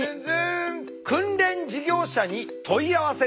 「訓練事業者に問い合わせる」。